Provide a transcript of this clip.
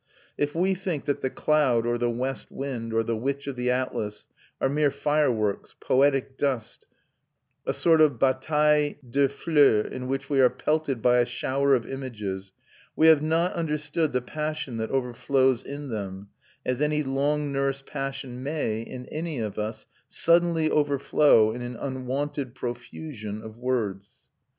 If we think that the Cloud or the West Wind or the Witch of the Atlas are mere fireworks, poetic dust, a sort of bataille des fleurs in which we are pelted by a shower of images we have not understood the passion that overflows in them, as any long nursed passion may, in any of us, suddenly overflow in an unwonted profusion of words.